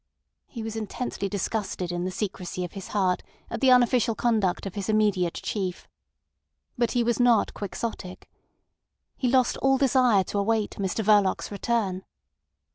He was intensely disgusted in the secrecy of his heart at the unofficial conduct of his immediate chief. But he was not quixotic. He lost all desire to await Mr Verloc's return.